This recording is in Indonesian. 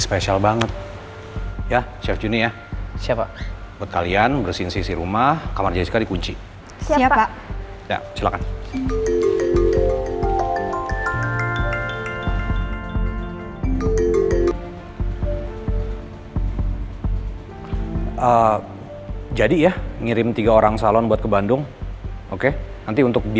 aku yang bikin orang itu meneror keluarga ini